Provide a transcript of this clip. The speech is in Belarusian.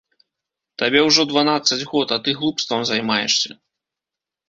Табе ўжо дванаццаць год, а ты глупствам займаешся.